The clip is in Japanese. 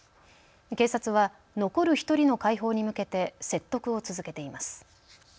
警察は残る１人の解放に向けて説得を続けています。